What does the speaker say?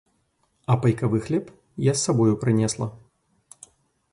А пайковы хлеб я з сабою прынесла.